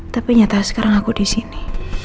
tapi nyata sekarang aku di sini